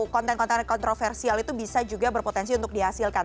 konten konten kontroversial itu bisa juga berpotensi untuk dihasilkan